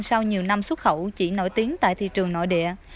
sau nhiều năm xuất khẩu chỉ nổi tiếng tại thị trường nội địa